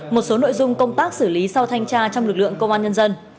một số nội dung công tác xử lý sau thanh tra trong lực lượng công an nhân dân